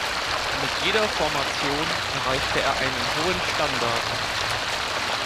Mit jeder Formation erreichte er einen hohen Standard.